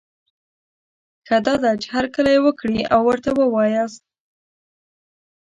ښه دا ده، چي هرکلی یې وکړی او ورته وواياست